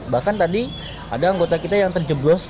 bahkan tadi ada anggota kita yang terjeblos